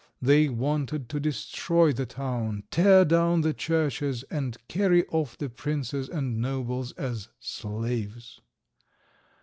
They wanted to destroy the town, tear down the churches, and carry off the princes and nobles as slaves.